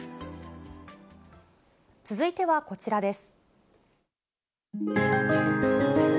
続いてはこちらです。